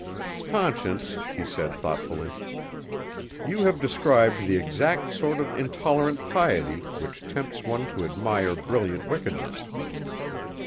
"Conscience," he said thoughtfully, "you have described the exact sort of intolerant piety, which tempts one to admire brilliant wickedness.